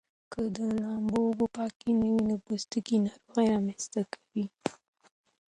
که د لامبو اوبه پاکې نه وي نو د پوستکي ناروغۍ رامنځته کوي.